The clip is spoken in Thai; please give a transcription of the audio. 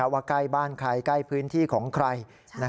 ว่าใกล้บ้านใครใกล้พื้นที่ของใคร